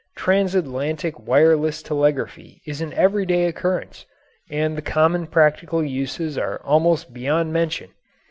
Transatlantic wireless telegraphy is an everyday occurrence, and the common practical uses are almost beyond mention.